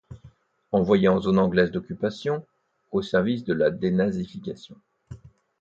Envoyé en zone anglaise d’occupation, au service de la dénazification.